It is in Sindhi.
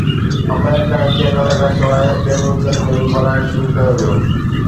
آمريڪا ۽ ڪئناڊا کانسواءِ ٻين ملڪن ۾ به ملهائڻ شروع ڪيو ويو